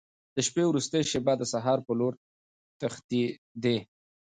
د شپې وروستۍ شېبې د سهار په لور تښتېدې.